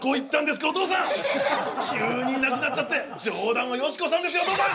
急にいなくなっちゃって冗談はヨシコさんですよお父さん！